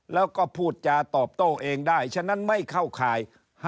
แล้วก็พูดจาตอบโต้เองได้ฉะนั้นไม่เข้าข่าย